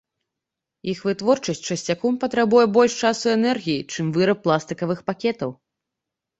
Іх вытворчасць часцяком патрабуе больш часу і энергіі, чым выраб пластыкавых пакетаў.